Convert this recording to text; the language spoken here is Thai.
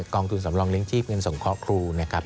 กองทุนสำรองเลี้ยชีพเงินสงเคราะห์ครูนะครับ